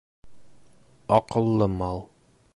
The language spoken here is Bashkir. Аҡыллы мал.